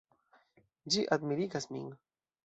Ĝi admirigas min.